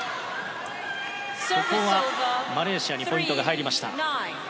ここはマレーシアにポイントが入りました。